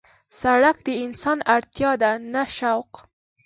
سړک د انسان اړتیا ده نه شوق.